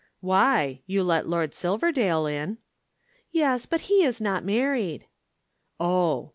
"Why? You let Lord Silverdale in." "Yes, but he is not married." "Oh!"